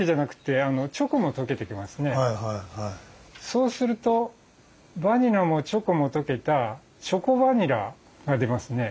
そうするとバニラもチョコもとけたチョコバニラが出ますね。